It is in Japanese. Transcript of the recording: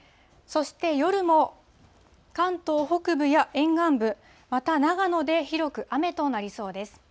そして夜も関東北部や沿岸部、また長野で広く雨となりそうです。